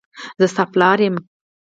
زه ستا پلار یم.